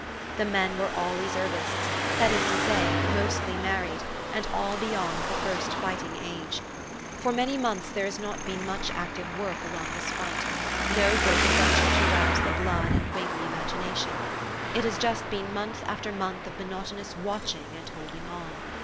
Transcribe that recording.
The men were all reservists: that is to say, mostly married, and all beyond the first fighting age. For many months there has not been much active work along this front, no great adventure to rouse the blood and wing the imagination: it has just been month after month of monotonous watching and holding on.